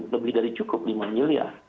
lebih dari cukup lima miliar